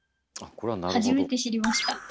初めて知りました。